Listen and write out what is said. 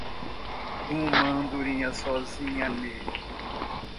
Uma andorinha sozinha n